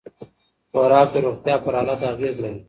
خوراک د روغتیا پر حالت اغېز لري.